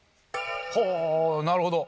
ほぉなるほど。